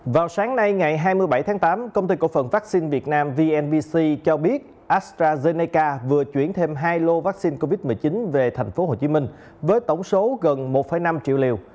vào sáng nay ngày hai mươi bảy tháng tám công ty cổ phần vaccine việt nam vnpc cho biết astrazeneca vừa chuyển thêm hai lô vaccine covid một mươi chín về tp hcm với tổng số gần một năm triệu liều